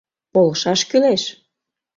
Полшаш кӱлеш